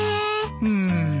うん。